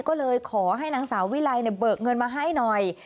ก็เลยขอให้นางสาววิไลเบิกเงินมาให้หน่อย